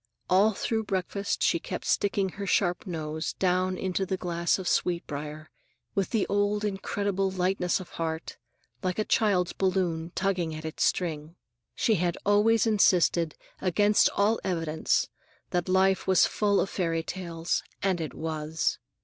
All through breakfast she kept sticking her sharp nose down into the glass of sweet briar, with the old incredible lightness of heart, like a child's balloon tugging at its string. She had always insisted, against all evidence, that life was full of fairy tales, and it was!